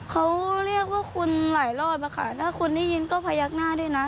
เขาเรียกว่าคุณหลายรอบอะค่ะถ้าคุณได้ยินก็พยักหน้าด้วยนะ